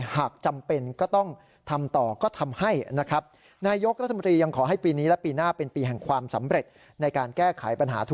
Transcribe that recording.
หากจำเป็นก็ต้องทำต่อก็ทำให้นะครับ